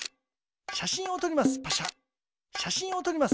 しゃしんをとります。